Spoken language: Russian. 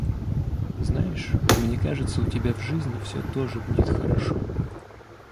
Знаешь, мне кажется, у тебя в жизни всё тоже будет хорошо!